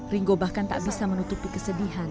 ringo bahkan tak bisa menutupi kesedihan